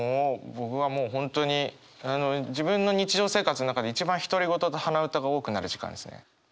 僕はもう本当に自分の日常生活の中で一番独り言と鼻歌が多くなる時間ですね。